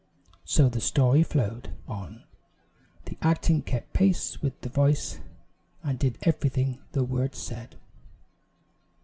So the story flowed on the acting kept pace with the voice and did everything the words said.